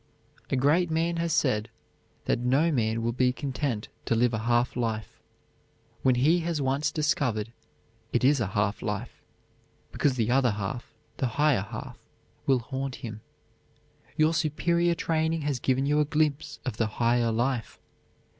A great man has said that no man will be content to live a half life when he has once discovered it is a half life, because the other half, the higher half, will haunt him. Your superior training has given you a glimpse of the higher life.